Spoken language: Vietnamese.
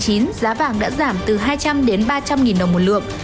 giá vàng đã giảm từ hai trăm linh đến ba trăm linh nghìn đồng một lượng